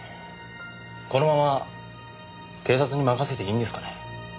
このまま警察に任せていいんですかね？